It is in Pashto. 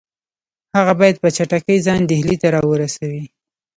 هغه باید په چټکۍ ځان ډهلي ته را ورسوي.